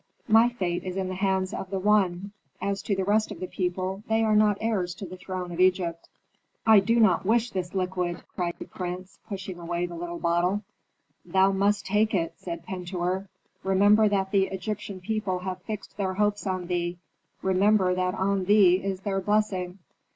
"My fate is in the hands of the One. As to the rest of the people, they are not heirs to the throne of Egypt." "I do not wish this liquid!" cried the prince, pushing away the little bottle. "Thou must take it!" said Pentuer. "Remember that the Egyptian people have fixed their hopes on thee. Remember that on thee is their blessing."